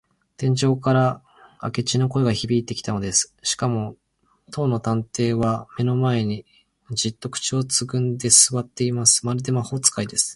天井から明智の声がひびいてきたのです。しかも、当の探偵は目の前に、じっと口をつぐんですわっています。まるで魔法使いです。